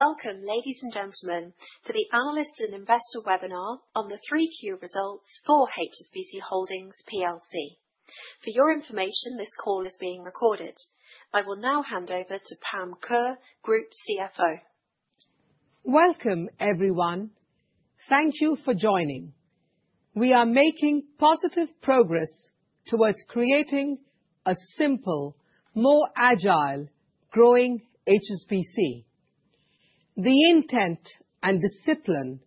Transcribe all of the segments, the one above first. Welcome, ladies and gentlemen, to the analysts and investor webinar on the three-year results for HSBC Holdings Plc. For your information, this call is being recorded. I will now hand over to Pam Kaur, Group CFO. Welcome, everyone. Thank you for joining. We are making positive progress towards creating a simple, more agile growing HSBC. The intent and discipline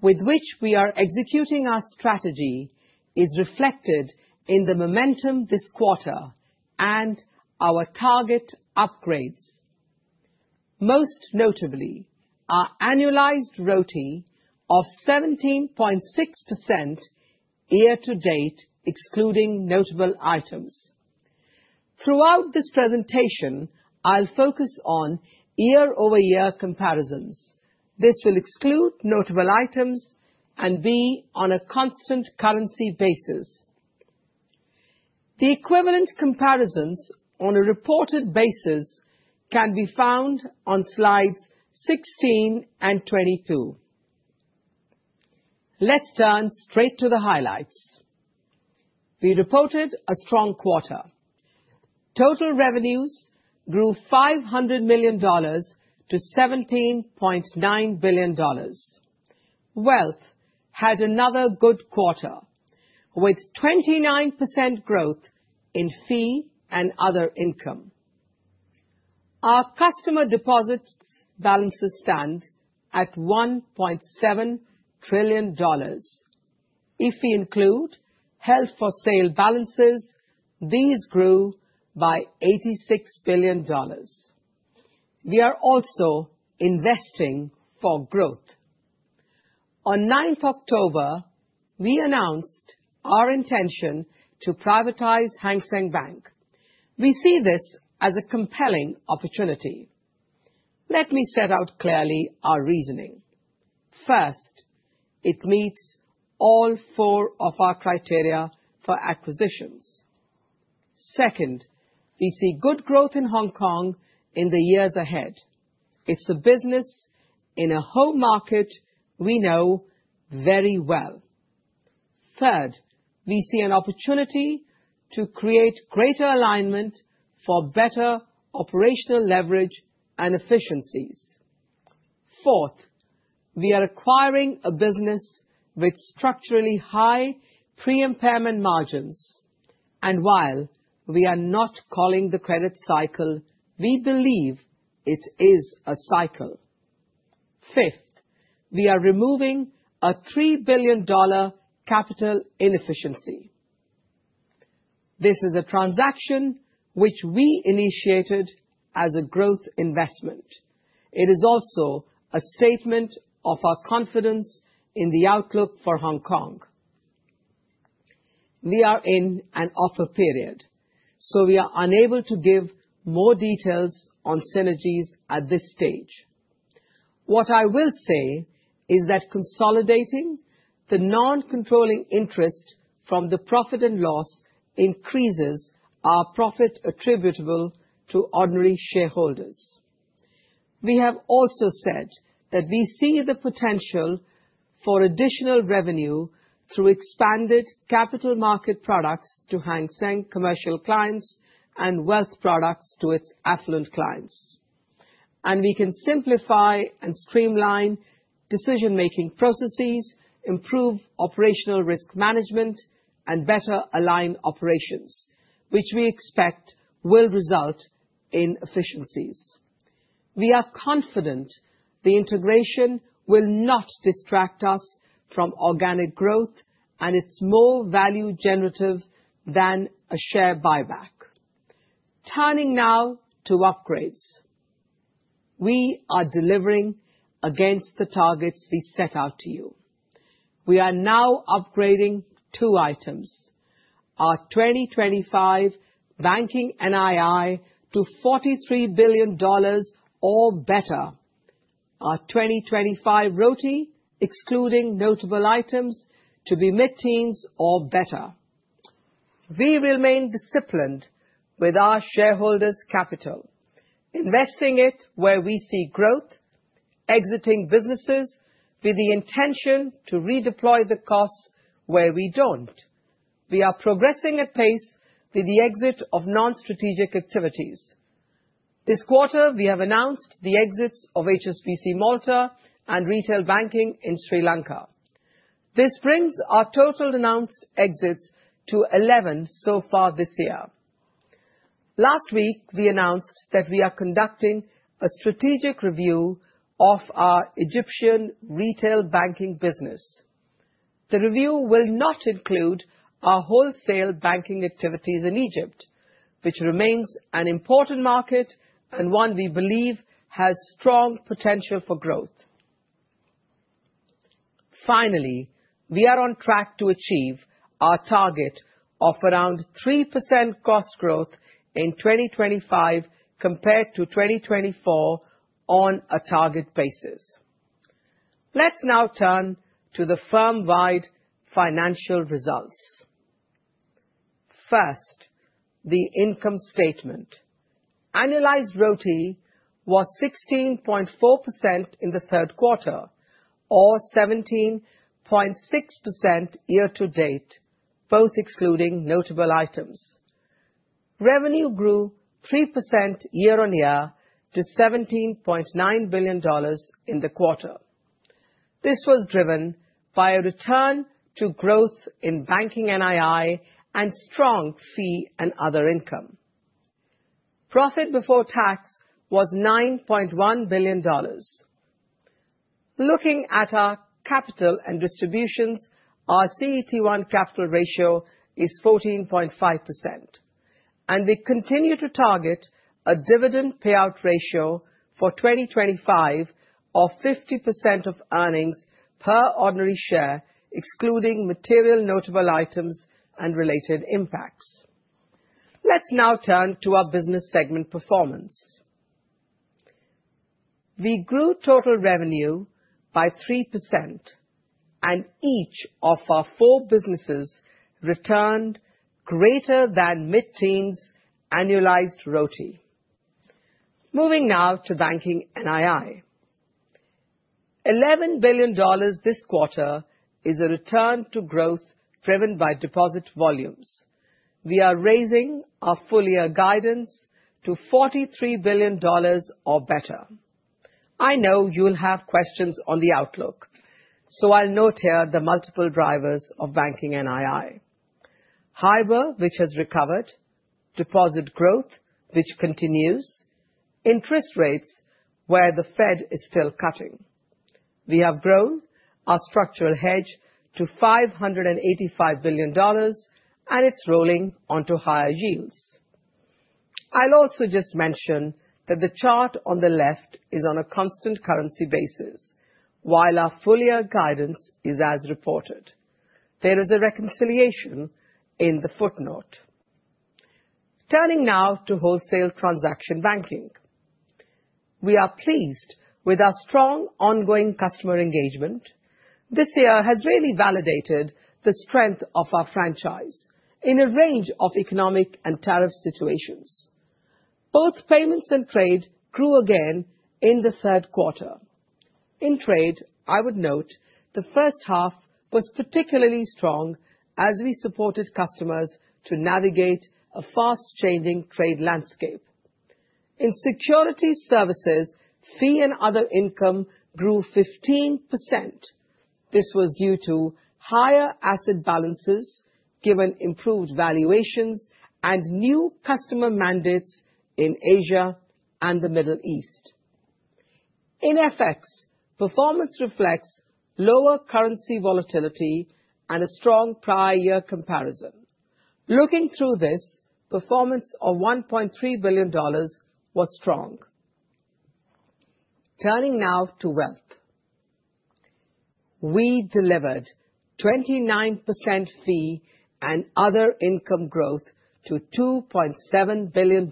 with which we are executing our strategy is reflected in the momentum this quarter and our target upgrades, most notably our annualized ROTE of 17.6% year-to-date, excluding notable items. Throughout this presentation, I'll focus on year-over-year comparisons. This will exclude notable items and be on a constant currency basis. The equivalent comparisons on a reported basis can be found on slides 16 and 22. Let's turn straight to the highlights. We reported a strong quarter. Total revenues grew $500 million-$17.9 billion. Wealth had another good quarter with 29% growth in fee and other income. Our customer deposit balances stand at $1.7 trillion. If we include held-for-sale balances, these grew by $86 billion. We are also investing for growth. On 9th October, we announced our intention to privatize Hang Seng Bank. We see this as a compelling opportunity. Let me set out clearly our reasoning. First, it meets all four of our criteria for acquisitions. Second, we see good growth in Hong Kong in the years ahead. It's a business in a whole market we know very well. Third, we see an opportunity to create greater alignment for better operational leverage and efficiencies. Fourth, we are acquiring a business with structurally high pre-impairment margins, and while we are not calling the credit cycle, we believe it is a cycle. Fifth, we are removing a $3 billion capital inefficiency. This is a transaction which we initiated as a growth investment. It is also a statement of our confidence in the outlook for Hong Kong. We are in an offer period, so we are unable to give more details on synergies at this stage. What I will say is that consolidating the non-controlling interest from the profit and loss increases our profit attributable to ordinary shareholders. We have also said that we see the potential for additional revenue through expanded capital market products to Hang Seng commercial clients and wealth products to its affluent clients. And we can simplify and streamline decision-making processes, improve operational risk management, and better align operations, which we expect will result in efficiencies. We are confident the integration will not distract us from organic growth, and it's more value-generative than a share buyback. Turning now to upgrades. We are delivering against the targets we set out to you. We are now upgrading two items: our 2025 banking NII to $43 billion or better, our 2025 ROTE excluding notable items to be mid-teens or better. We remain disciplined with our shareholders' capital, investing it where we see growth, exiting businesses with the intention to redeploy the costs where we don't. We are progressing at pace with the exit of non-strategic activities. This quarter, we have announced the exits of HSBC Malta and retail banking in Sri Lanka. This brings our total announced exits to 11 so far this year. Last week, we announced that we are conducting a strategic review of our Egyptian retail banking business. The review will not include our wholesale banking activities in Egypt, which remains an important market and one we believe has strong potential for growth. Finally, we are on track to achieve our target of around 3% cost growth in 2025 compared to 2024 on a target basis. Let's now turn to the firm-wide financial results. First, the income statement. Annualized ROTE was 16.4% in the third quarter, or 17.6% year-to-date, both excluding notable items. Revenue grew 3% year-on-year to $17.9 billion in the quarter. This was driven by a return to growth in banking NII and strong fee and other income. Profit before tax was $9.1 billion. Looking at our capital and distributions, our CET1 capital ratio is 14.5%, and we continue to target a dividend payout ratio for 2025 of 50% of earnings per ordinary share, excluding material notable items and related impacts. Let's now turn to our business segment performance. We grew total revenue by 3%, and each of our four businesses returned greater than mid-teens' annualized ROTE. Moving now to banking NII. $11 billion this quarter is a return to growth driven by deposit volumes. We are raising our full-year guidance to $43 billion or better. I know you'll have questions on the outlook, so I'll note here the multiple drivers of banking NII. HIBOR, which has recovered, deposit growth, which continues, interest rates where the Fed is still cutting. We have grown our structural hedge to $585 billion, and it's rolling onto higher yields. I'll also just mention that the chart on the left is on a constant currency basis, while our full-year guidance is as reported. There is a reconciliation in the footnote. Turning now to wholesale transaction banking. We are pleased with our strong ongoing customer engagement. This year has really validated the strength of our franchise in a range of economic and tariff situations. Both payments and trade grew again in the third quarter. In trade, I would note the first half was particularly strong as we supported customers to navigate a fast-changing trade landscape. In security services, fee and other income grew 15%. This was due to higher asset balances given improved valuations and new customer mandates in Asia and the Middle East. In effect, performance reflects lower currency volatility and a strong prior-year comparison. Looking through this, performance of $1.3 billion was strong. Turning now to wealth. We delivered 29% fee and other income growth to $2.7 billion.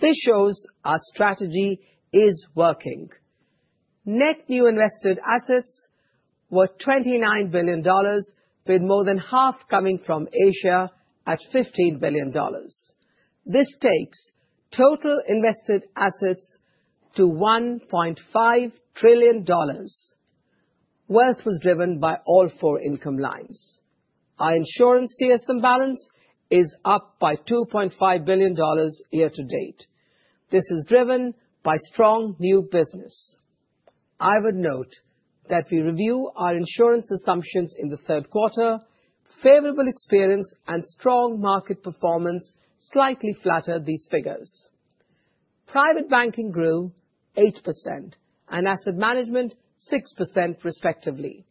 This shows our strategy is working. Net new invested assets were $29 billion, with more than half coming from Asia at $15 billion. This takes total invested assets to $1.5 trillion. Wealth was driven by all four income lines. Our insurance CSM balance is up by $2.5 billion year-to-date. This is driven by strong new business. I would note that we review our insurance assumptions in the third quarter. Favorable experience and strong market performance slightly flattered these figures. Private Banking grew 8% and Asset Management 6%, respectively.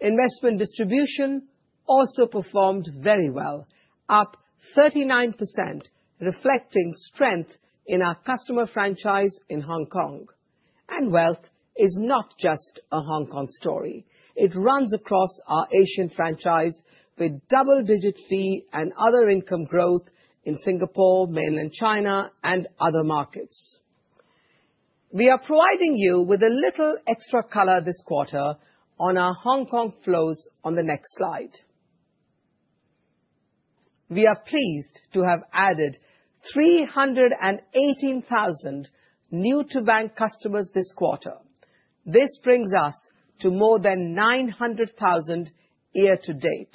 Investment distribution also performed very well, up 39%, reflecting strength in our customer franchise in Hong Kong. And wealth is not just a Hong Kong story. It runs across our Asian franchise with double-digit fee and other income growth in Singapore, mainland China, and other markets. We are providing you with a little extra color this quarter on our Hong Kong flows on the next slide. We are pleased to have added 318,000 new-to-bank customers this quarter. This brings us to more than 900,000 year-to-date.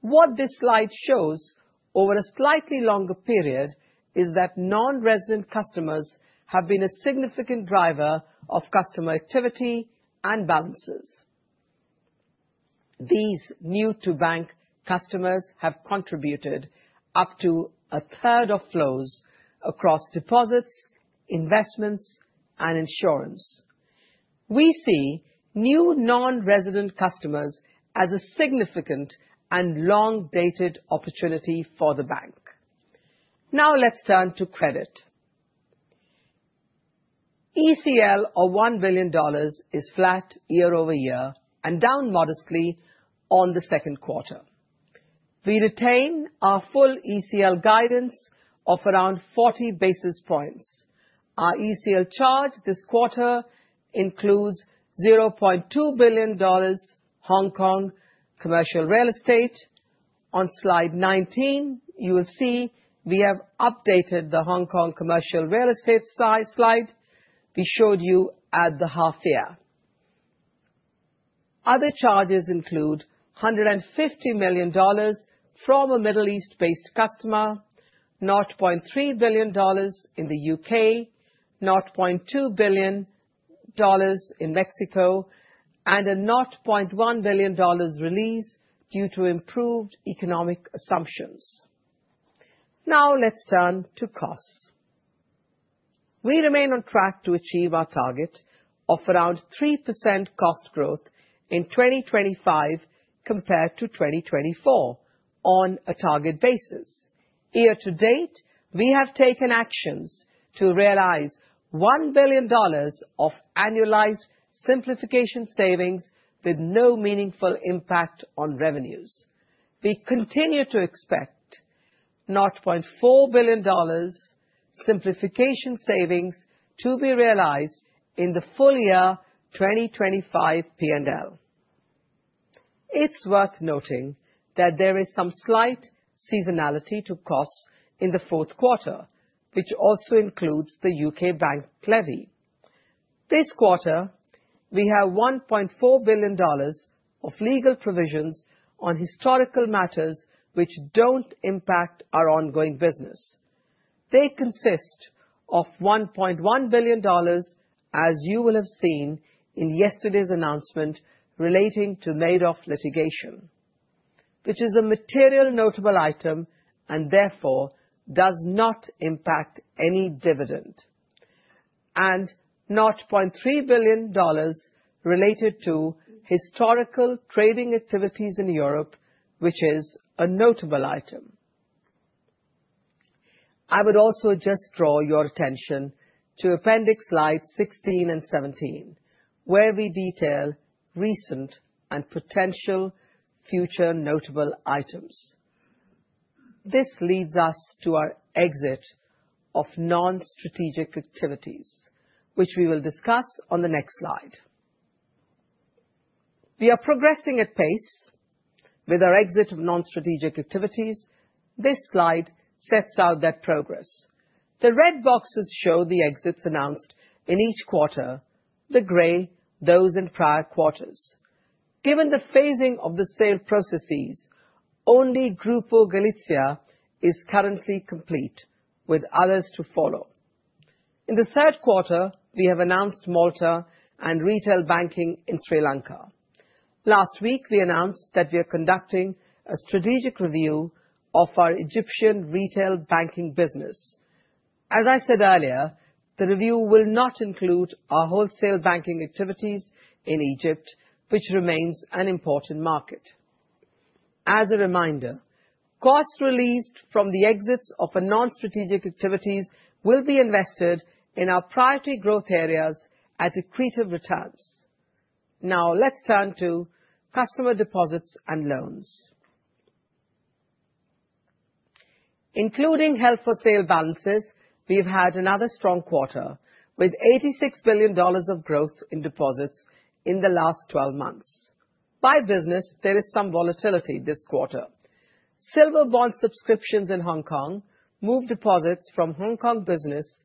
What this slide shows over a slightly longer period is that non-resident customers have been a significant driver of customer activity and balances. These new-to-bank customers have contributed up to a third of flows across deposits, investments, and insurance. We see new non-resident customers as a significant and long-dated opportunity for the bank. Now let's turn to credit. ECL of $1 billion is flat year-over-year and down modestly on the second quarter. We retain our full ECL guidance of around 40 basis points. Our ECL charge this quarter includes $0.2 billion Hong Kong commercial real estate. On slide 19, you will see we have updated the Hong Kong commercial real estate slide we showed you at the half-year. Other charges include $150 million from a Middle East-based customer, $0.3 billion in the U.K., $0.2 billion in Mexico, and a $0.1 billion release due to improved economic assumptions. Now let's turn to costs. We remain on track to achieve our target of around 3% cost growth in 2025 compared to 2024 on a target basis. Year-to-date, we have taken actions to realize $1 billion of annualized simplification savings with no meaningful impact on revenues. We continue to expect $0.4 billion simplification savings to be realized in the full year 2025 P&L. It's worth noting that there is some slight seasonality to costs in the fourth quarter, which also includes the U.K. bank levy. This quarter, we have $1.4 billion of legal provisions on historical matters which don't impact our ongoing business. They consist of $1.1 billion, as you will have seen in yesterday's announcement relating to Madoff litigation, which is a material notable item and therefore does not impact any dividend, and $0.3 billion related to historical trading activities in Europe, which is a notable item. I would also just draw your attention to appendix slides 16 and 17, where we detail recent and potential future notable items. This leads us to our exit of non-strategic activities, which we will discuss on the next slide. We are progressing at pace with our exit of non-strategic activities. This slide sets out that progress. The red boxes show the exits announced in each quarter, the gray those in prior quarters. Given the phasing of the sale processes, only Grupo Galicia is currently complete, with others to follow. In the third quarter, we have announced Malta and retail banking in Sri Lanka. Last week, we announced that we are conducting a strategic review of our Egyptian retail banking business. As I said earlier, the review will not include our wholesale banking activities in Egypt, which remains an important market. As a reminder, costs released from the exits of non-strategic activities will be invested in our priority growth areas at accreative return. Now let's turn to customer deposits and loans. Including held-for-sale balances, we have had another strong quarter with $86 billion of growth in deposits in the last 12 months. By business, there is some volatility this quarter. Silver Bond subscriptions in Hong Kong moved deposits from Hong Kong business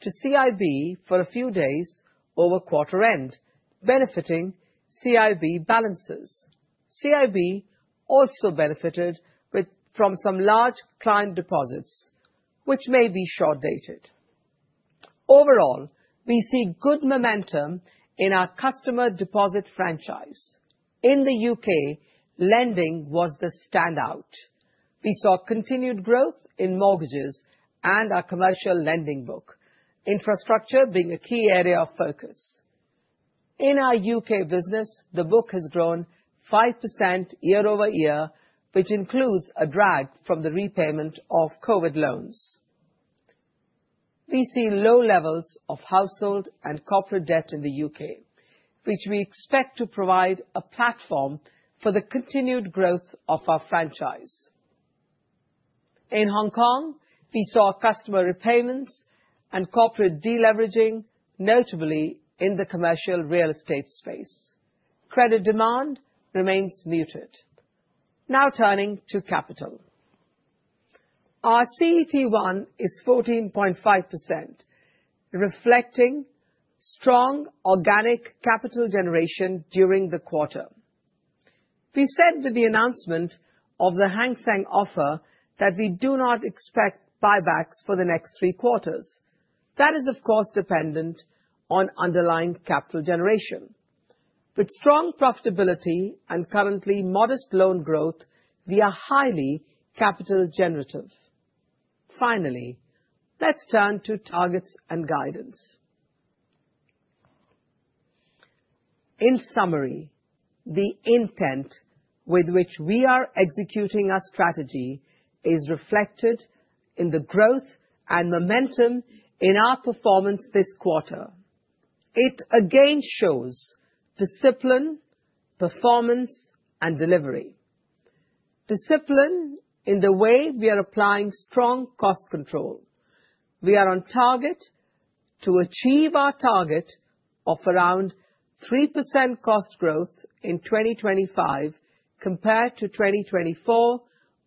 to CIB for a few days over quarter-end, benefiting CIB balances. CIB also benefited from some large client deposits, which may be short-dated. Overall, we see good momentum in our customer deposit franchise. In the U.K., lending was the standout. We saw continued growth in mortgages and our commercial lending book, infrastructure being a key area of focus. In our U.K. business, the book has grown 5% year-over-year, which includes a drag from the repayment of COVID loans. We see low levels of household and corporate debt in the U.K., which we expect to provide a platform for the continued growth of our franchise. In Hong Kong, we saw customer repayments and corporate deleveraging, notably in the commercial real estate space. Credit demand remains muted. Now turning to capital. Our CET1 is 14.5%, reflecting strong organic capital generation during the quarter. We said with the announcement of the Hang Seng offer that we do not expect buybacks for the next three quarters. That is, of course, dependent on underlying capital generation. With strong profitability and currently modest loan growth, we are highly capital generative. Finally, let's turn to targets and guidance. In summary, the intent with which we are executing our strategy is reflected in the growth and momentum in our performance this quarter. It again shows discipline, performance, and delivery. Discipline in the way we are applying strong cost control. We are on target to achieve our target of around 3% cost growth in 2025 compared to 2024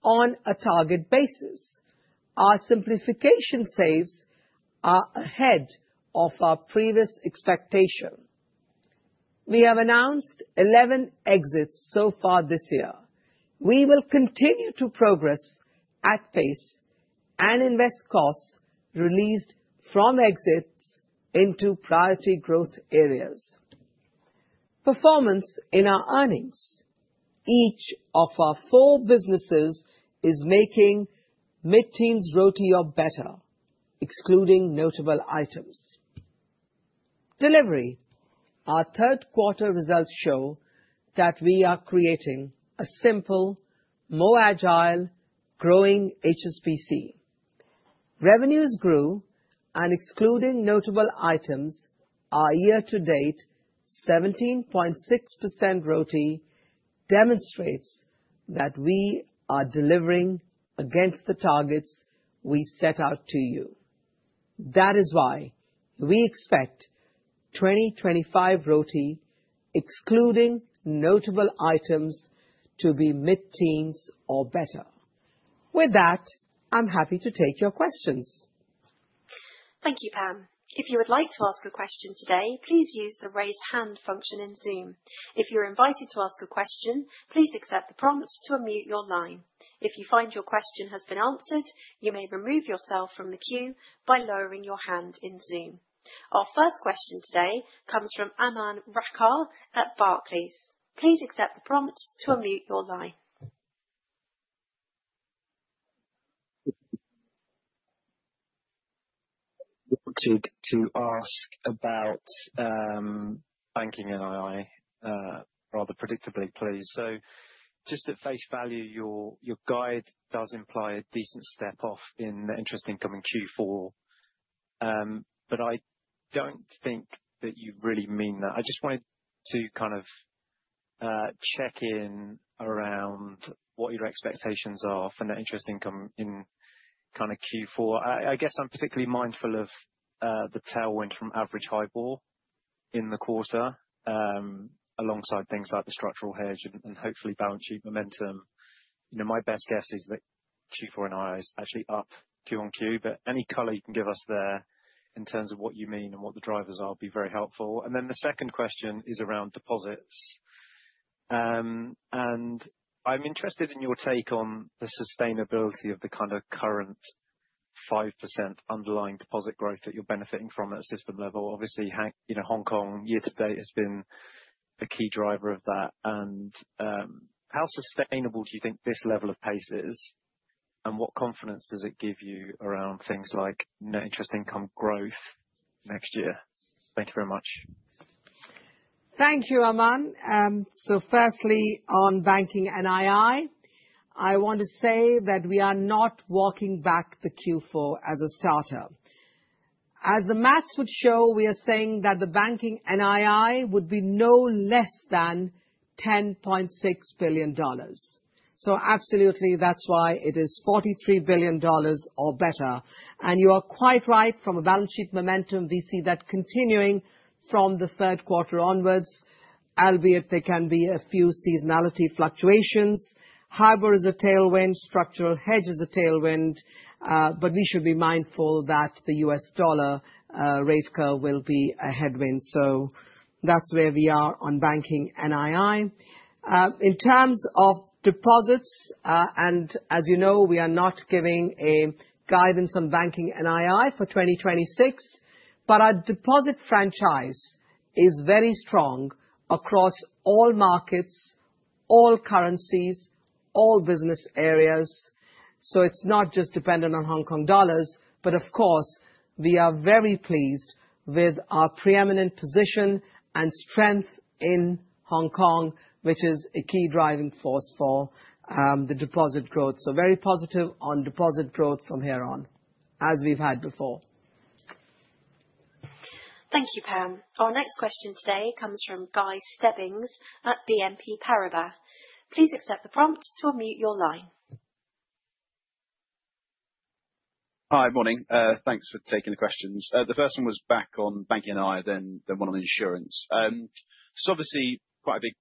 on a target basis. Our simplification savings are ahead of our previous expectation. We have announced 11 exits so far this year. We will continue to progress at pace and invest costs released from exits into priority growth areas. Performance in our earnings. Each of our four businesses is making mid-teens ROTE or better, excluding notable items. Delivery. Our third quarter results show that we are creating a simple, more agile, growing HSBC. Revenues grew, and excluding notable items, our year-to-date 17.6% ROTE demonstrates that we are delivering against the targets we set out to you. That is why we expect 2025 ROTE, excluding notable items, to be mid-teens or better. With that, I'm happy to take your questions. Thank you, Pam. If you would like to ask a question today, please use the raise hand function in Zoom. If you're invited to ask a question, please accept the prompt to unmute your line. If you find your question has been answered, you may remove yourself from the queue by lowering your hand in Zoom. Our first question today comes from Aman Rakkar at Barclays. Please accept the prompt to unmute your line. Wanted to ask about banking NII, rather predictably, please. So just at face value, your guide does imply a decent step off in the interest income in Q4. But I don't think that you really mean that. I just wanted to kind of check in around what your expectations are for the interest income in kind of Q4. I guess I'm particularly mindful of the tailwind from average HIBOR in the quarter, alongside things like the structural hedge and hopefully balance sheet momentum. My best guess is that Q4 NII is actually up Q-on-Q, but any color you can give us there in terms of what you mean and what the drivers are will be very helpful. And then the second question is around deposits. And I'm interested in your take on the sustainability of the kind of current 5% underlying deposit growth that you're benefiting from at a system level. Obviously, Hong Kong year-to-date has been a key driver of that. And how sustainable do you think this level of pace is? And what confidence does it give you around things like net interest income growth next year? Thank you very much. Thank you, Aman. So firstly, on banking NII, I want to say that we are not walking back the Q4 as a starter. As the math would show, we are saying that the banking NII would be no less than $10.6 billion. So absolutely, that's why it is $43 billion or better. And you are quite right. From a balance sheet momentum, we see that continuing from the third quarter onward, albeit there can be a few seasonality fluctuations. HIBOR is a tailwind. Structural hedge is a tailwind. But we should be mindful that the U.S. dollar rate curve will be a headwind. So that's where we are on banking NII. In terms of deposits, and as you know, we are not giving a guidance on banking NII for 2026, but our deposit franchise is very strong across all markets, all currencies, all business areas. So it's not just dependent on Hong Kong dollars, but of course, we are very pleased with our preeminent position and strength in Hong Kong, which is a key driving force for the deposit growth. So very positive on deposit growth from here on, as we've had before. Thank you, Pam. Our next question today comes from Guy Stebbings at BNP Paribas. Please accept the prompt to unmute your line. Hi, morning. Thanks for taking the questions. The first one was back on banking NII, then one on insurance. So obviously, quite a big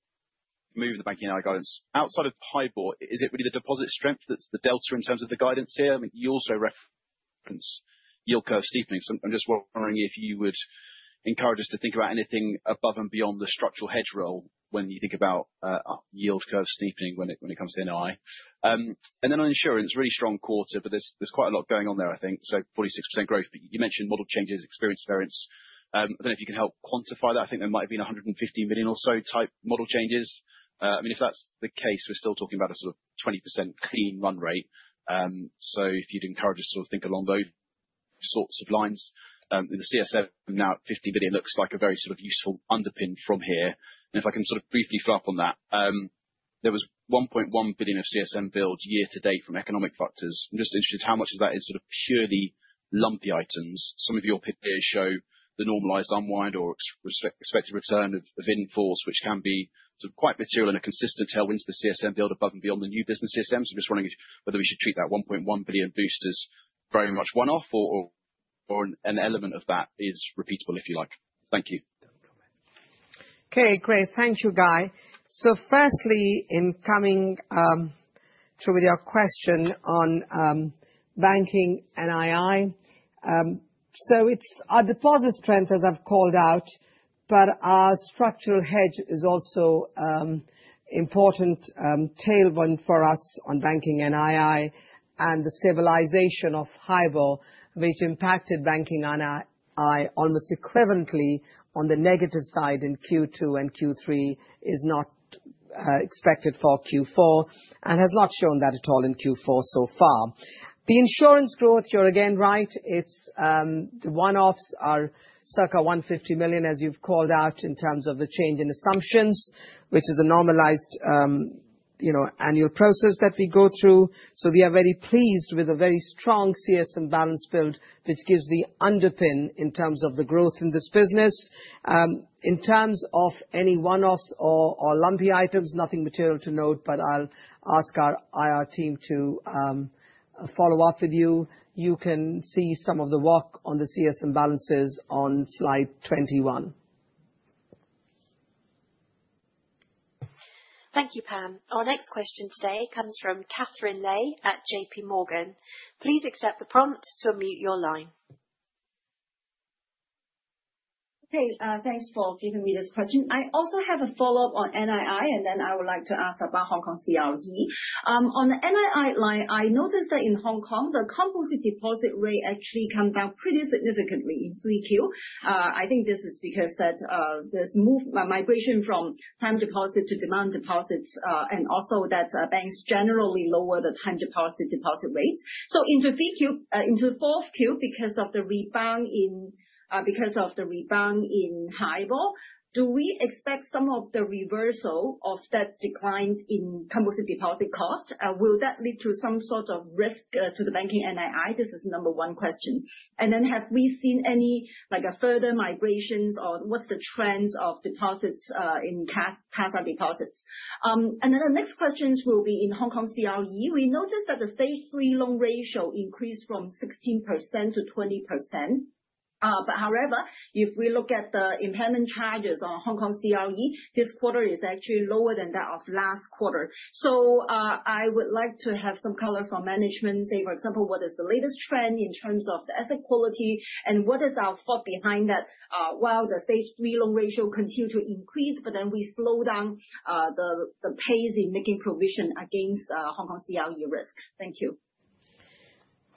move in the banking NII guidance. Outside of HIBOR, is it really the deposit strength that's the delta in terms of the guidance here? I mean, you also reference yield curve steepening. So I'm just wondering if you would encourage us to think about anything above and beyond the structural hedge role when you think about yield curve steepening when it comes to NII. And then on insurance, really strong quarter, but there's quite a lot going on there, I think. So 46% growth, but you mentioned model changes, experience variance. I don't know if you can help quantify that. I think there might have been $150 million or so type model changes. I mean, if that's the case, we're still talking about a sort of 20% clean run rate. So if you'd encourage us to sort of think along those sorts of lines. The CSM now at $50 billion looks like a very sort of useful underpin from here, and if I can sort of briefly follow up on that, there was $1.1 billion of CSM build year to date from economic factors. I'm just interested how much of that is sort of purely lumpy items. Some of your peers show the normalized unwind or expected return of in force, which can be sort of quite material and a consistent tailwind to the CSM build above and beyond the new business CSM. So I'm just wondering whether we should treat that $1.1 billion boost as very much one-off or an element of that is repeatable, if you like. Thank you. Okay, great. Thank you, Guy. So firstly, in coming through with your question on banking NII, so it's our deposit strength, as I've called out, but our structural hedge is also an important tailwind for us on banking NII, and the stabilization of HIBOR, which impacted banking NII almost equivalently on the negative side in Q2 and Q3, is not expected for Q4 and has not shown that at all in Q4 so far. The insurance growth, you're again right, it's the one-offs are circa $150 million, as you've called out, in terms of the change in assumptions, which is a normalized annual process that we go through. So we are very pleased with a very strong CSM balance build, which gives the underpin in terms of the growth in this business. In terms of any one-offs or lumpy items, nothing material to note, but I'll ask our IR team to follow up with you. You can see some of the work on the CSM balances on slide 21. Thank you, Pam. Our next question today comes from Katherine Lei at JPMorgan. Please accept the prompt to unmute your line. Okay, thanks for giving me this question. I also have a follow-up on NII, and then I would like to ask about Hong Kong CRE. On the NII line, I noticed that in Hong Kong, the composite deposit rate actually comes down pretty significantly in 3Q. I think this is because of this move, migration from time deposit to demand deposits, and also that banks generally lower the time deposit rates. So into 4Q, because of the rebound in HIBOR, do we expect some of the reversal of that decline in composite deposit cost? Will that lead to some sort of risk to the banking NII? This is the number one question. And then have we seen any further migrations or what's the trends of deposits in CASA deposits? And then the next questions will be in Hong Kong CRE. We noticed that the Stage 3 loan ratio increased from 16%-20%. But however, if we look at the impairment charges on Hong Kong CRE, this quarter is actually lower than that of last quarter. So I would like to have some color for management, say, for example, what is the latest trend in terms of the asset quality and what is our thought behind that while the Stage 3 loan ratio continues to increase, but then we slow down the pace in making provision against Hong Kong CRE risk. Thank you.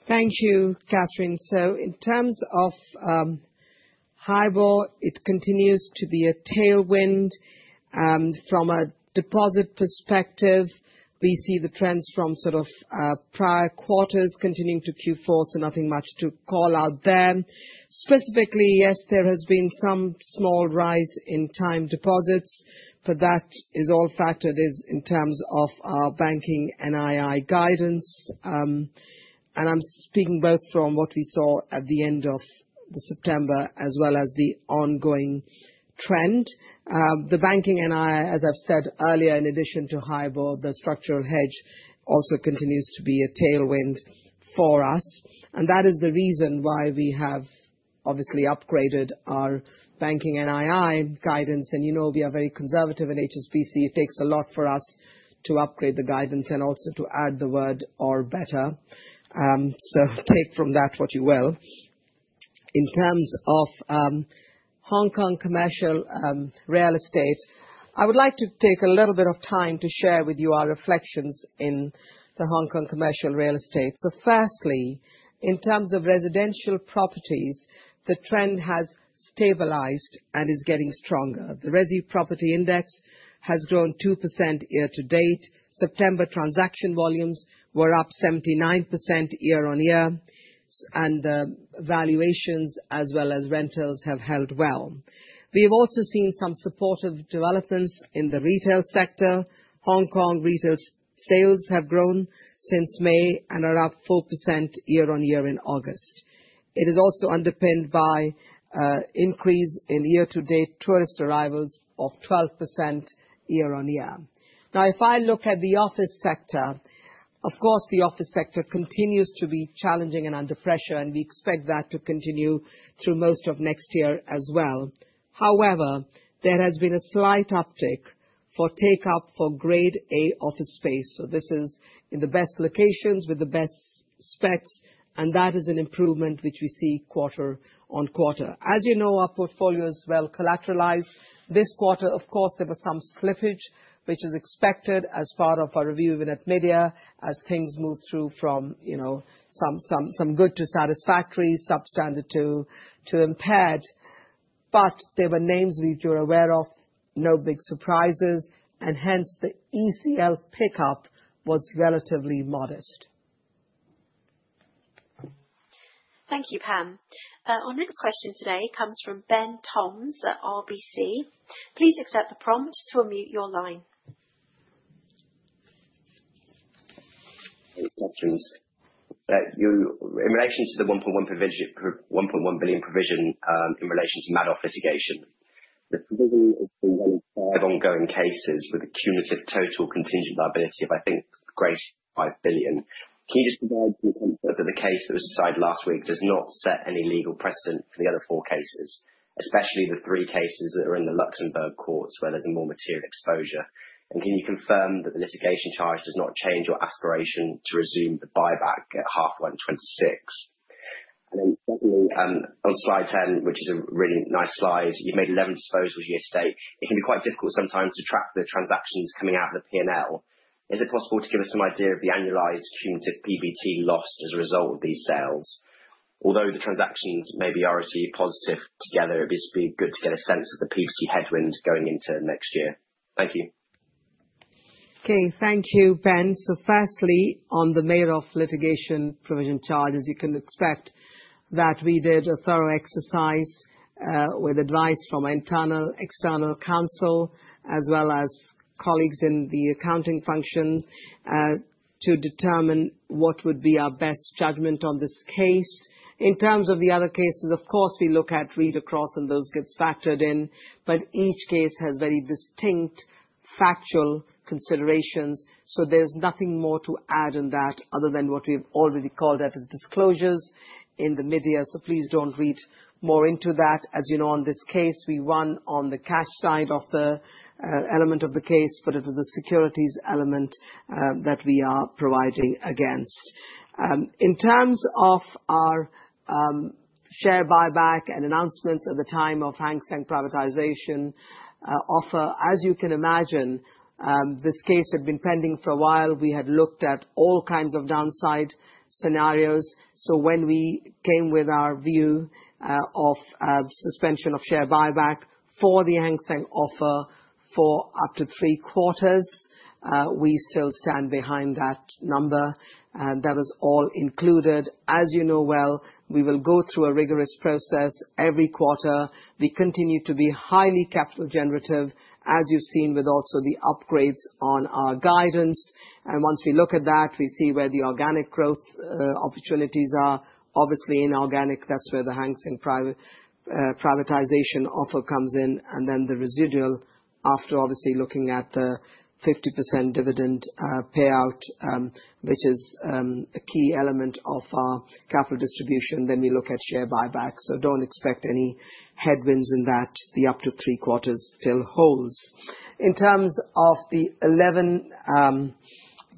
Thank you, Katherine. So in terms of HIBOR, it continues to be a tailwind. From a deposit perspective, we see the trends from sort of prior quarters continuing to Q4, so nothing much to call out there. Specifically, yes, there has been some small rise in time deposits, but that is all factored in terms of our banking NII guidance. And I'm speaking both from what we saw at the end of September as well as the ongoing trend. The banking NII, as I've said earlier, in addition to HIBOR, the structural hedge also continues to be a tailwind for us. And that is the reason why we have obviously upgraded our banking NII guidance. And you know we are very conservative in HSBC. It takes a lot for us to upgrade the guidance and also to add the word or better. So take from that what you will. In terms of Hong Kong commercial real estate, I would like to take a little bit of time to share with you our reflections in the Hong Kong commercial real estate. So firstly, in terms of residential properties, the trend has stabilized and is getting stronger. The residential property index has grown 2% year-to-date. September transaction volumes were up 79% year-on-year, and the valuations as well as rentals have held well. We have also seen some supportive developments in the retail sector. Hong Kong retail sales have grown since May and are up 4% year-on-year in August. It is also underpinned by an increase in year-to-date tourist arrivals of 12% year-on-year. Now, if I look at the office sector, of course, the office sector continues to be challenging and under pressure, and we expect that to continue through most of next year as well. However, there has been a slight uptick for take-up for Grade A office space. So this is in the best locations with the best specs, and that is an improvement which we see quarter on quarter. As you know, our portfolio is well collateralized. This quarter, of course, there was some slippage, which is expected as part of our review even at mid-year as things move through from some good to satisfactory, substandard to impaired. But there were names which you're aware of, no big surprises, and hence the ECL pickup was relatively modest. Thank you, Pam. Our next question today comes from Ben Toms at RBC. Please accept the prompt to unmute your line. Thanks, Katherine.In relation to the $1.1 billion provision in relation to Madoff litigation, the provision of ongoing cases with a cumulative total contingent liability of, I think, greater than $5 billion, can you just provide some input that the case that was decided last week does not set any legal precedent for the other four cases, especially the three cases that are in the Luxembourg courts where there's a more material exposure? And can you confirm that the litigation charge does not change your aspiration to resume the buyback at halfway in 2026? And then secondly, on slide 10, which is a really nice slide, you've made 11 disposals year-to-date. It can be quite difficult sometimes to track the transactions coming out of the P&L. Is it possible to give us some idea of the annualized cumulative PBT lost as a result of these sales? Although the transactions may be RSE positive together, it'd be good to get a sense of the PBT headwind going into next year. Thank you. Okay, thank you, Ben. So firstly, on the Madoff litigation provision charges, you can expect that we did a thorough exercise with advice from internal, external counsel, as well as colleagues in the accounting function to determine what would be our best judgment on this case. In terms of the other cases, of course, we look at read across and those gets factored in, but each case has very distinct factual considerations. So there's nothing more to add in that other than what we've already called out as disclosures in the mid-year. So please don't read more into that. As you know, on this case, we won on the cash side of the element of the case, but it was the securities element that we are providing against. In terms of our share buyback and announcements at the time of Hang Seng privatization offer, as you can imagine, this case had been pending for a while. We had looked at all kinds of downside scenarios, so when we came with our view of suspension of share buyback for the Hang Seng offer for up to three quarters, we still stand behind that number, and that was all included. As you know well, we will go through a rigorous process every quarter. We continue to be highly capital generative, as you've seen with also the upgrades on our guidance, and once we look at that, we see where the organic growth opportunities are. Obviously, in organic, that's where the Hang Seng privatization offer comes in. Then the residual after, obviously looking at the 50% dividend payout, which is a key element of our capital distribution, then we look at share buyback, so don't expect any headwinds in that. The up to three quarters still holds. In terms of the 11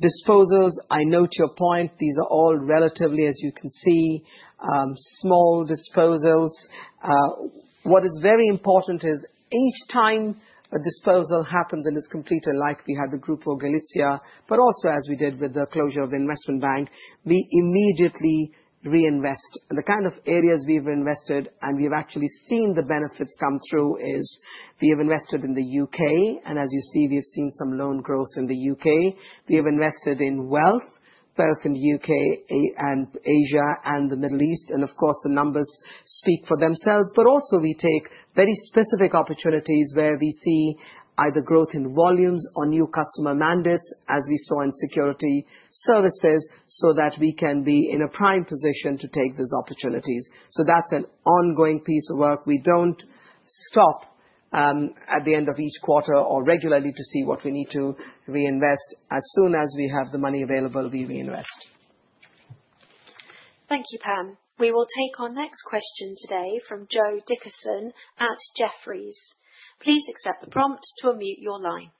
disposals, I note your point. These are all relatively, as you can see, small disposals. What is very important is each time a disposal happens and is completed, like we had the Grupo Galicia, but also as we did with the closure of the investment bank, we immediately reinvest. The kind of areas we've invested and we've actually seen the benefits come through is we have invested in the U.K., and as you see, we have seen some loan growth in the U.K. We have invested in wealth, both in the U.K. and Asia and the Middle East. And of course, the numbers speak for themselves. But also we take very specific opportunities where we see either growth in volumes or new customer mandates, as we saw in security services, so that we can be in a prime position to take those opportunities. So that's an ongoing piece of work. We don't stop at the end of each quarter or regularly to see what we need to reinvest. As soon as we have the money available, we reinvest. Thank you, Pam. We will take our next question today from Joe Dickerson at Jefferies. Please accept the prompt to unmute your line.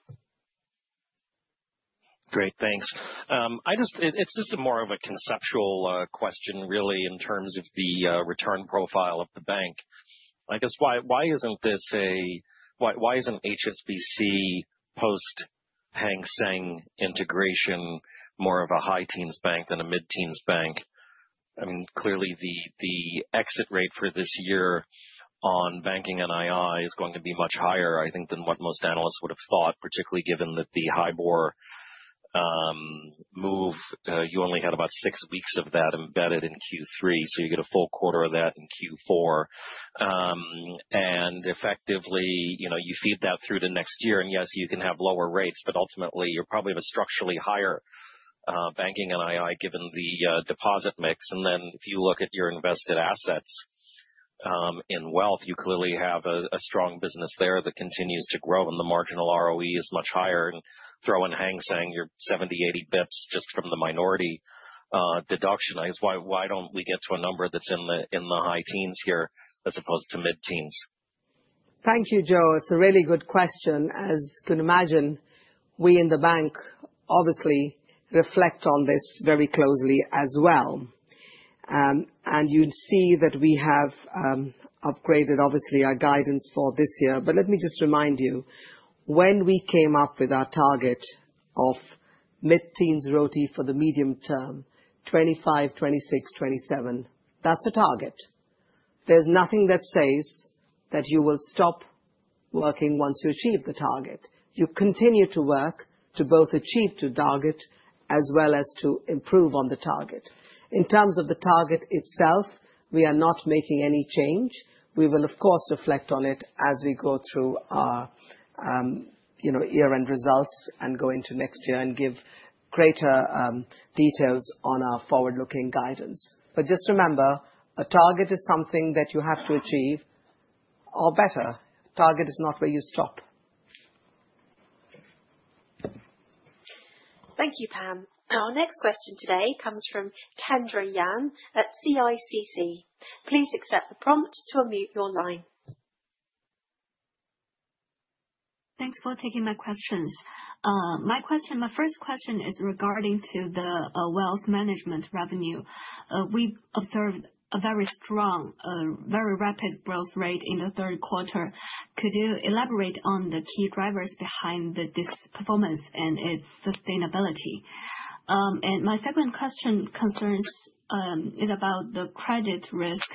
Great, thanks. It's just more of a conceptual question, really, in terms of the return profile of the bank. I guess why isn't HSBC post Hang Seng integration more of a high-teens bank than a mid-teens bank? I mean, clearly the exit rate for this year on banking NII is going to be much higher, I think, than what most analysts would have thought, particularly given the HIBOR move—you only had about six weeks of that embedded in Q3, so you get a full quarter of that in Q4 and effectively, you feed that through to next year and yes, you can have lower rates, but ultimately you're probably have a structurally higher banking NII given the deposit mix and then if you look at your invested assets in wealth, you clearly have a strong business there that continues to grow and the marginal ROE is much higher. And throw in Hang Seng, you're 70-80 basis points just from the minority deduction. Why don't we get to a number that's in the high teens here as opposed to mid teens? Thank you, Joe. It's a really good question. As you can imagine, we in the bank obviously reflect on this very closely as well. And you'd see that we have upgraded, obviously, our guidance for this year. But let me just remind you, when we came up with our target of mid-teens ROTE for the medium term, 2025, 2026, 2027, that's a target. There's nothing that says that you will stop working once you achieve the target. You continue to work to both achieve the target as well as to improve on the target. In terms of the target itself, we are not making any change. We will, of course, reflect on it as we go through our year-end results and go into next year and give greater details on our forward-looking guidance. But just remember, a target is something that you have to achieve, or better, target is not where you stop. Thank you, Pam. Our next question today comes from Kendra Yan at CICC. Please accept the prompt to unmute your line. Thanks for taking my questions. My first question is regarding to the wealth management revenue. We observed a very strong, very rapid growth rate in the third quarter. Could you elaborate on the key drivers behind this performance and its sustainability? And my second question concerns is about the credit risk.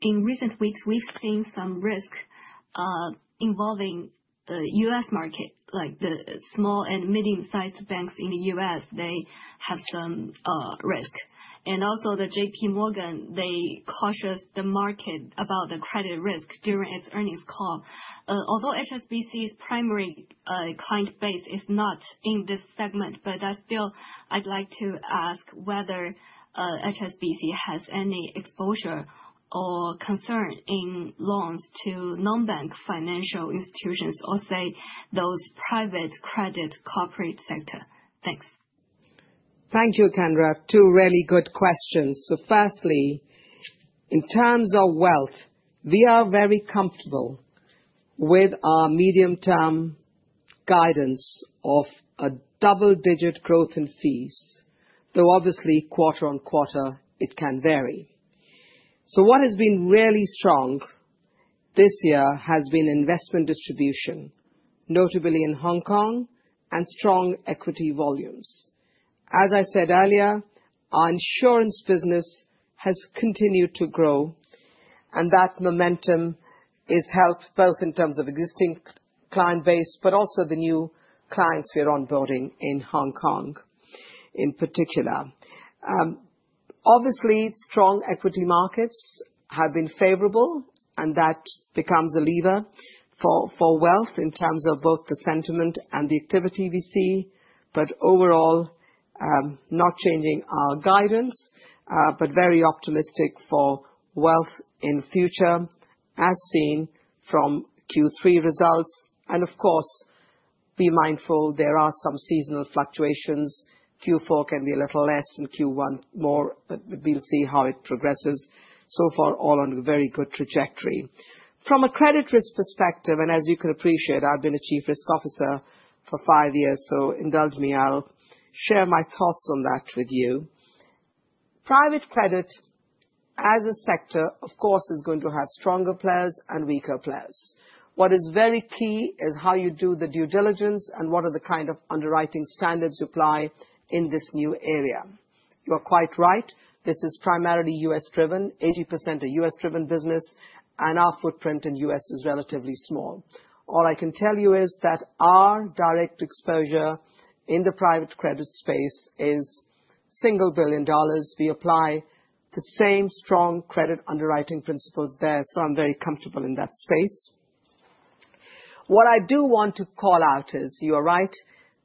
In recent weeks, we've seen some risk involving the U.S. market, like the small and medium-sized banks in the U.S. They have some risk. And also, the JPMorgan, they cautioned the market about the credit risk during its earnings call. Although HSBC's primary client base is not in this segment, but that's still, I'd like to ask whether HSBC has any exposure or concern in loans to non-bank financial institutions or, say, those private credit corporate sector. Thanks. Thank you, Kendra. Two really good questions. So firstly, in terms of wealth, we are very comfortable with our medium-term guidance of a double-digit growth in fees, though obviously quarter on quarter, it can vary. So what has been really strong this year has been investment distribution, notably in Hong Kong and strong equity volumes. As I said earlier, our insurance business has continued to grow, and that momentum is helped both in terms of existing client base, but also the new clients we're onboarding in Hong Kong in particular. Obviously, strong equity markets have been favorable, and that becomes a lever for wealth in terms of both the sentiment and the activity we see, but overall, not changing our guidance, but very optimistic for wealth in future as seen from Q3 results, and of course, be mindful there are some seasonal fluctuations. Q4 can be a little less and Q1 more, but we'll see how it progresses, so far, all on a very good trajectory. From a credit risk perspective, and as you can appreciate, I've been a Chief Risk Officer for five years, so indulge me, I'll share my thoughts on that with you. Private credit as a sector, of course, is going to have stronger players and weaker players. What is very key is how you do the due diligence and what are the kind of underwriting standards you apply in this new area. You are quite right. This is primarily U.S.-driven, 80% a U.S.-driven business, and our footprint in the U.S. is relatively small. All I can tell you is that our direct exposure in the private credit space is $1 billion. We apply the same strong credit underwriting principles there, so I'm very comfortable in that space. What I do want to call out is you are right.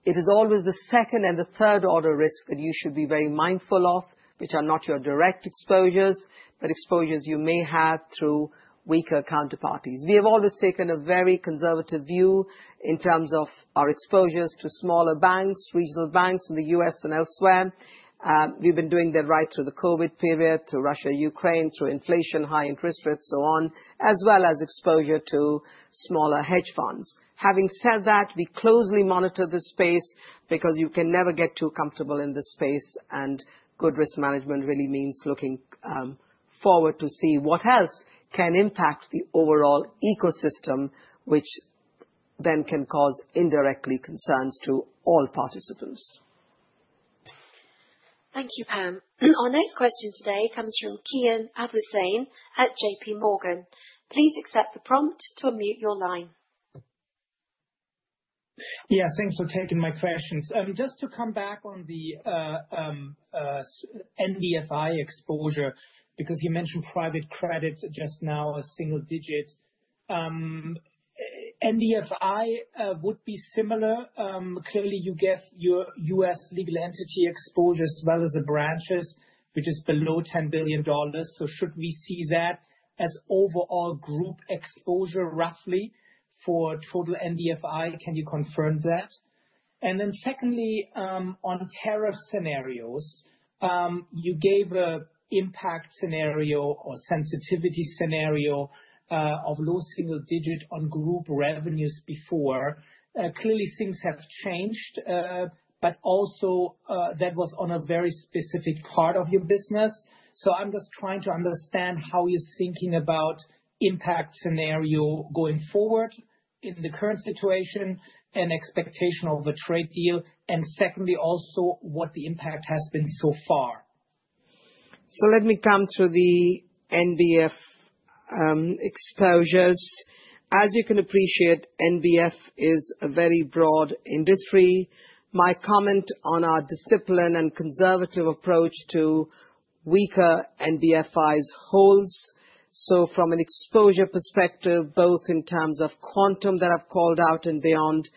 It is always the second and the third order risk that you should be very mindful of, which are not your direct exposures, but exposures you may have through weaker counterparties. We have always taken a very conservative view in terms of our exposures to smaller banks, regional banks in the U.S. and elsewhere. We've been doing that right through the COVID period, through Russia, Ukraine, through inflation, high interest rates, so on, as well as exposure to smaller hedge funds. Having said that, we closely monitor the space because you can never get too comfortable in this space, and good risk management really means looking forward to see what else can impact the overall ecosystem, which then can cause indirectly concerns to all participants. Thank you, Pam. Our next question today comes from Kian Abouhossein at JPMorgan. Please accept the prompt to unmute your line. Yes, thanks for taking my questions. Just to come back on the NBFI exposure, because you mentioned private credit just now, a single digit. NBFI would be similar. Clearly, you get your U.S. legal entity exposure as well as the branches, which is below $10 billion. So should we see that as overall group exposure roughly for total NBFI? Can you confirm that? And then, secondly, on tariff scenarios, you gave an impact scenario or sensitivity scenario of low single digit on group revenues before. Clearly, things have changed, but also that was on a very specific part of your business. So I'm just trying to understand how you're thinking about impact scenario going forward in the current situation and expectation of a trade deal. And secondly, also what the impact has been so far. So let me come to the NBF exposures. As you can appreciate, NBF is a very broad industry. My comment on our discipline and conservative approach to weaker NBFIs holds. So from an exposure perspective, both in terms of quantum that I've called out and beyond,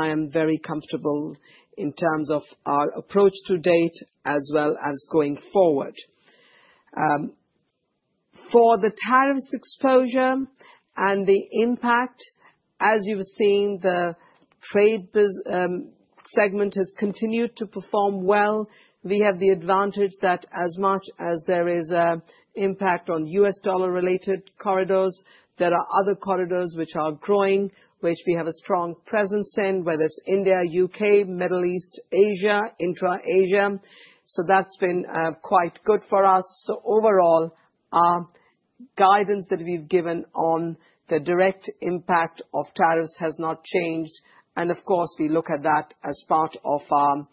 I am very comfortable in terms of our approach to date as well as going forward. For the tariffs exposure and the impact, as you've seen, the trade segment has continued to perform well. We have the advantage that as much as there is an impact on U.S. dollar-related corridors, there are other corridors which are growing, which we have a strong presence in, whether it's India, U.K., Middle East, Asia, intra-Asia. So that's been quite good for us. So overall, our guidance that we've given on the direct impact of tariffs has not changed, and of course, we look at that as part of our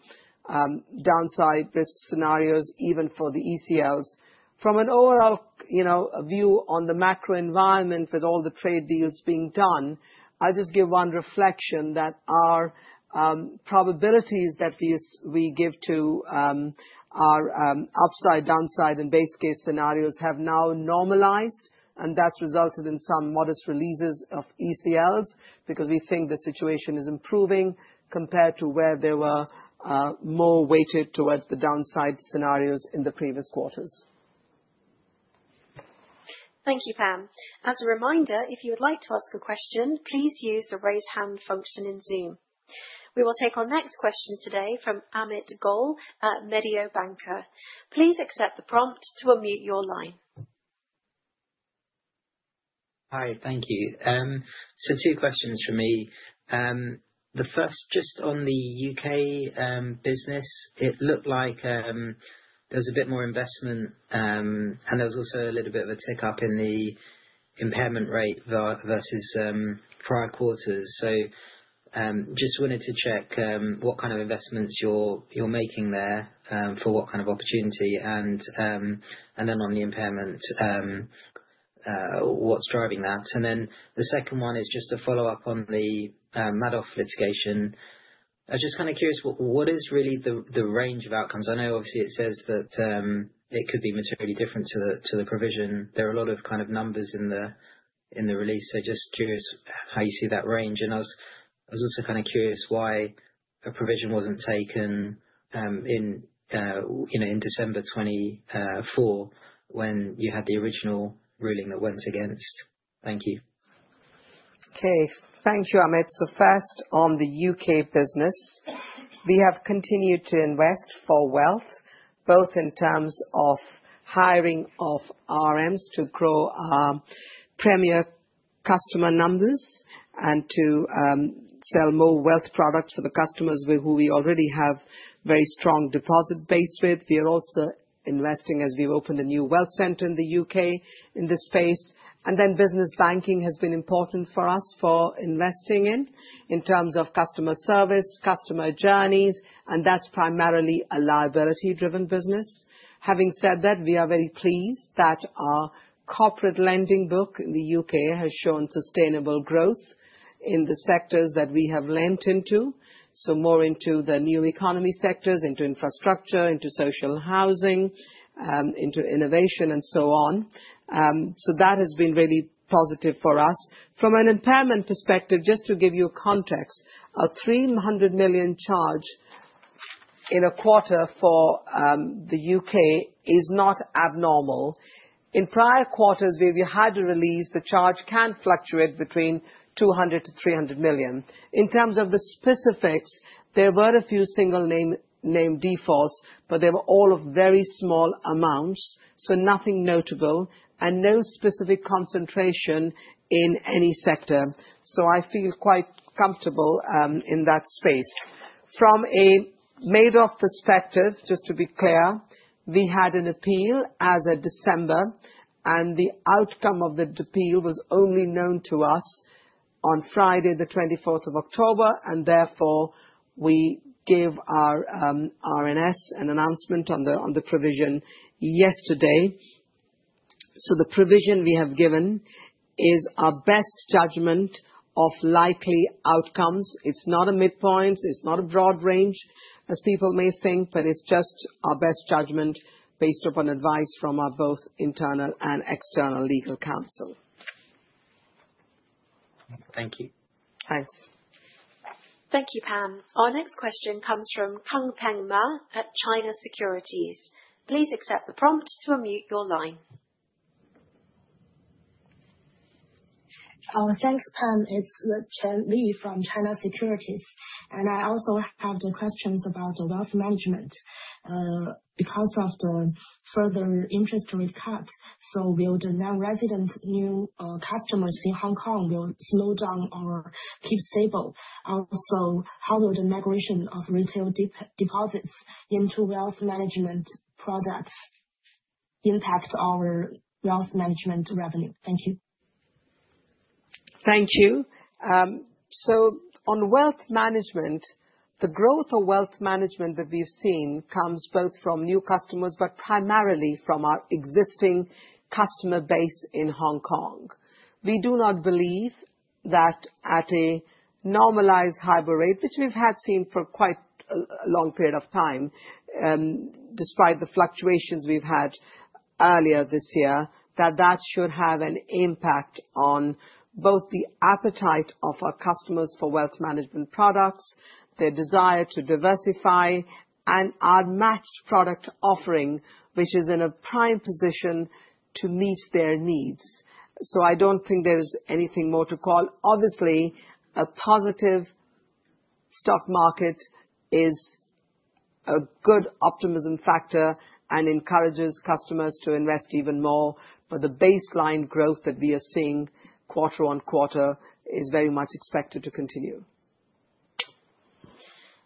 downside risk scenarios, even for the ECLs. From an overall view on the macro environment, with all the trade deals being done, I'll just give one reflection that our probabilities that we give to our upside, downside, and base case scenarios have now normalized, and that's resulted in some modest releases of ECLs because we think the situation is improving compared to where they were more weighted towards the downside scenarios in the previous quarters. Thank you, Pam. As a reminder, if you would like to ask a question, please use the raise hand function in Zoom. We will take our next question today from Amit Goel at Mediobanca. Please accept the prompt to unmute your line. Hi, thank you. So two questions for me. The first, just on the U.K. business, it looked like there was a bit more investment, and there was also a little bit of a tick up in the impairment rate versus prior quarters. So just wanted to check what kind of investments you're making there for what kind of opportunity, and then on the impairment, what's driving that. And then the second one is just a follow-up on the Madoff litigation. I'm just kind of curious, what is really the range of outcomes? I know obviously it says that it could be materially different to the provision. There are a lot of kind of numbers in the release, so just curious how you see that range. And I was also kind of curious why a provision wasn't taken in December 2024 when you had the original ruling that went against. Thank you. Okay, thank you, Amit. So first, on the U.K. business, we have continued to invest for wealth, both in terms of hiring of RMs to grow our Premier customer numbers and to sell more wealth products for the customers with whom we already have very strong deposit base with. We are also investing as we've opened a new wealth center in the U.K. in this space. And then business banking has been important for us for investing in terms of customer service, customer journeys, and that's primarily a liability-driven business. Having said that, we are very pleased that our corporate lending book in the U.K. has shown sustainable growth in the sectors that we have lent into, so more into the new economy sectors, into infrastructure, into social housing, into innovation, and so on. So that has been really positive for us. From an impairment perspective, just to give you context, a $300 million charge in a quarter for the U.K. is not abnormal. In prior quarters, where we had to release, the charge can fluctuate between $200 million-$300 million. In terms of the specifics, there were a few single-name defaults, but they were all of very small amounts, so nothing notable and no specific concentration in any sector. So I feel quite comfortable in that space. From a Madoff perspective, just to be clear, we had an appeal as of December, and the outcome of the appeal was only known to us on Friday, the 24th of October, and therefore we gave our RNS an announcement on the provision yesterday. So the provision we have given is our best judgment of likely outcomes. It's not a midpoint. It's not a broad range, as people may think, but it's just our best judgment based upon advice from both our internal and external legal counsel. Thank you. Thanks. Thank you, Pam. Our next question comes from Ma Kunpeng at China Securities. Please accept the prompt to unmute your line. Thanks, Pam. It's Chen Li from China Securities, and I also have the questions about the wealth management because of the further interest rate cut. So, will the now resident new customers in Hong Kong slow down or keep stable? Also, how will the migration of retail deposits into wealth management products impact our wealth management revenue? Thank you. Thank you. So on wealth management, the growth of wealth management that we've seen comes both from new customers, but primarily from our existing customer base in Hong Kong. We do not believe that at a normalized HIBOR rate, which we've had seen for quite a long period of time, despite the fluctuations we've had earlier this year, that that should have an impact on both the appetite of our customers for wealth management products, their desire to diversify, and our matched product offering, which is in a prime position to meet their needs. So I don't think there is anything more to call. Obviously, a positive stock market is a good optimism factor and encourages customers to invest even more, but the baseline growth that we are seeing quarter on quarter is very much expected to continue.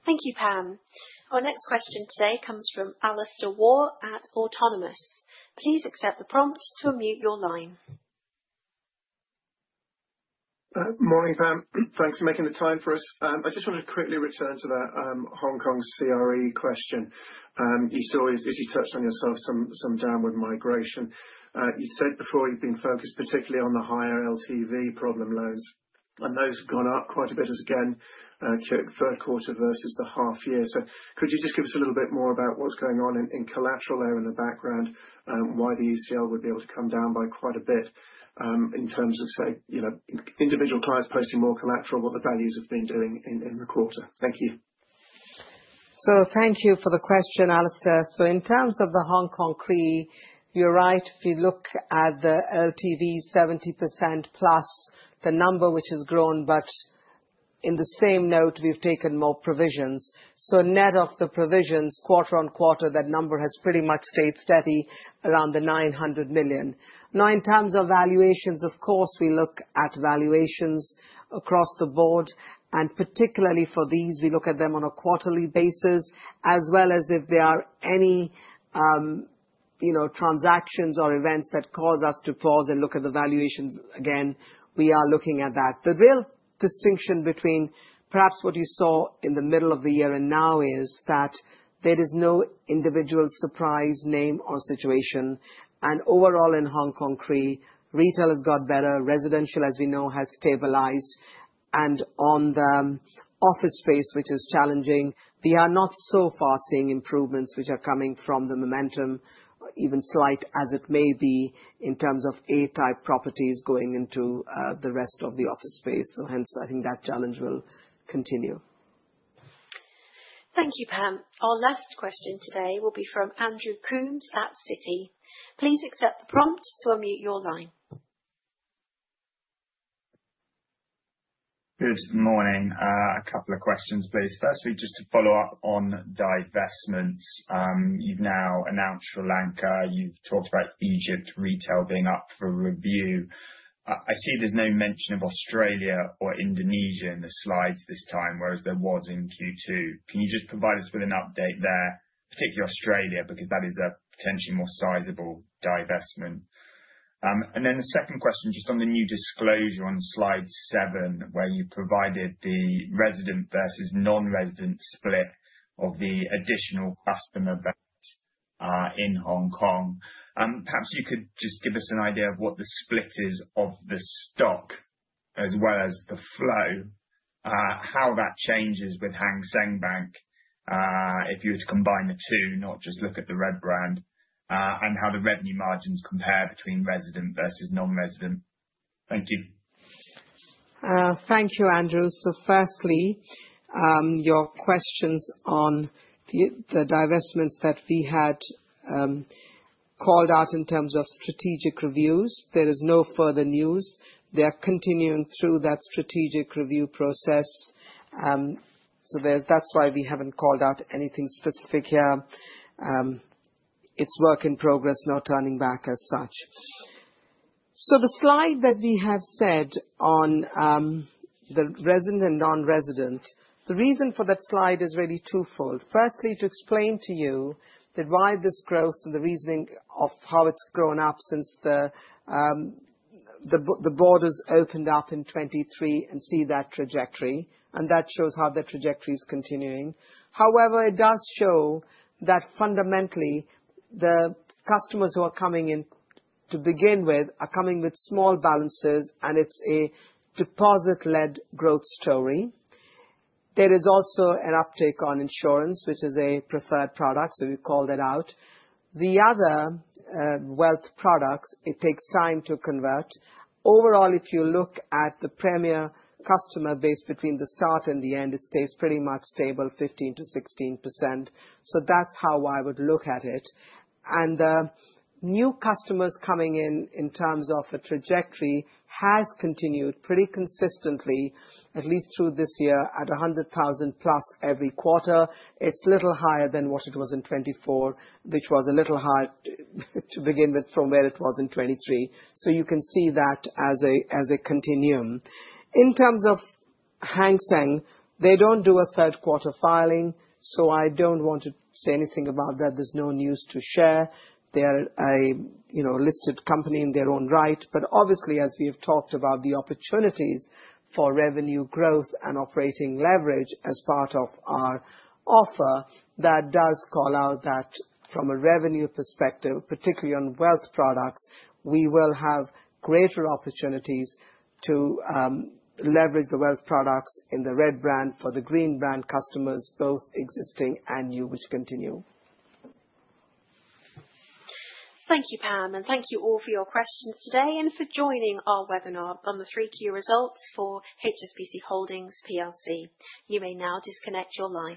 Thank you, Pam. Our next question today comes from Alastair Warr at Autonomous Research. Please accept the prompt to unmute your line. Morning, Pam. Thanks for making the time for us. I just wanted to quickly return to that Hong Kong CRE question. You saw, as you touched on yourself, some downward migration. You'd said before you've been focused particularly on the higher LTV problem loans, and those have gone up quite a bit as again kicked third quarter versus the half year. So could you just give us a little bit more about what's going on in collateral there in the background and why the ECL would be able to come down by quite a bit in terms of, say, individual clients posting more collateral, what the values have been doing in the quarter? Thank you. So thank you for the question, Alastair. So in terms of the Hong Kong CRE, you're right, if you look at the LTV, 70% plus the number which has grown, but on the same note, we've taken more provisions. So net of the provisions, quarter on quarter, that number has pretty much stayed steady around the $900 million. Now, in terms of valuations, of course, we look at valuations across the board, and particularly for these, we look at them on a quarterly basis, as well as if there are any transactions or events that cause us to pause and look at the valuations again, we are looking at that. The real distinction between perhaps what you saw in the middle of the year and now is that there is no individual surprise name or situation. And overall in Hong Kong CRE, retail has got better. Residential, as we know, has stabilized. And on the office space, which is challenging, we are not so far seeing improvements, which are coming from the momentum, even slight as it may be in terms of A-type properties going into the rest of the office space. So hence, I think that challenge will continue. Thank you, Pam. Our last question today will be from Andrew Coombs at Citi. Please accept the prompt to unmute your line. Good morning. A couple of questions, please. Firstly, just to follow up on divestments. You've now announced Sri Lanka. You've talked about Egypt retail being up for review. I see there's no mention of Australia or Indonesia in the slides this time, whereas there was in Q2. Can you just provide us with an update there, particularly Australia, because that is a potentially more sizable divestment? And then the second question, just on the new disclosure on slide seven, where you provided the resident versus non-resident split of the additional customer base in Hong Kong. Perhaps you could just give us an idea of what the split is of the stock, as well as the flow, how that changes with Hang Seng Bank if you were to combine the two, not just look at the red brand, and how the revenue margins compare between resident versus non-resident. Thank you. Thank you, Andrew. So firstly, your questions on the divestments that we had called out in terms of strategic reviews, there is no further news. They are continuing through that strategic review process. So that's why we haven't called out anything specific here. It's work in progress, not turning back as such. So the slide that we have said on the resident and non-resident, the reason for that slide is really twofold. Firstly, to explain to you why this growth and the reasoning of how it's grown up since the borders opened up in 2023 and see that trajectory. And that shows how the trajectory is continuing. However, it does show that fundamentally, the customers who are coming in to begin with are coming with small balances, and it's a deposit-led growth story. There is also an uptake on insurance, which is a preferred product, so we call that out. The other wealth products, it takes time to convert. Overall, if you look at the Premier customer base between the start and the end, it stays pretty much stable, 15%-16%. So that's how I would look at it. And the new customers coming in in terms of a trajectory has continued pretty consistently, at least through this year, at $100,000 plus every quarter. It's a little higher than what it was in 2024, which was a little higher to begin with from where it was in 2023. So you can see that as a continuum. In terms of Hang Seng, they don't do a third quarter filing, so I don't want to say anything about that. There's no news to share. They are a listed company in their own right. But obviously, as we have talked about the opportunities for revenue growth and operating leverage as part of our offer, that does call out that from a revenue perspective, particularly on wealth products, we will have greater opportunities to leverage the wealth products in the red brand for the green brand customers, both existing and new, which continue. Thank you, Pam. And thank you all for your questions today and for joining our webinar on the 3Q results for HSBC Holdings Plc. You may now disconnect your line.